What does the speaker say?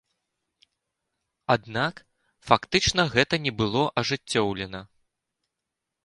Аднак, фактычна гэта не было ажыццёўлена.